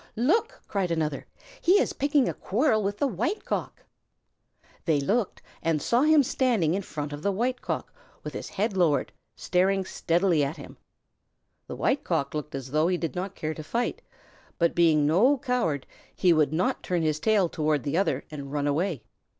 "Look!" cried another. "He is picking a quarrel with the White Cock." They looked and saw him standing in front of the White Cock with his head lowered, staring steadily at him. The White Cock looked as though he did not care to fight, but being no coward, he would not turn his tail toward the other and run away.